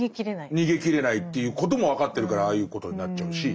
逃げきれないということも分かってるからああいうことになっちゃうし。